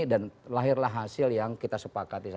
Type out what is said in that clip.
dan lahirlah hasil yang kita sepakat